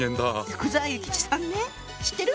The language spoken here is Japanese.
福沢諭吉さんね知ってる？